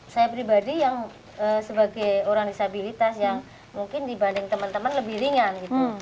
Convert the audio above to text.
saya pribadi yang sebagai orang disabilitas yang mungkin dibanding teman teman lebih ringan gitu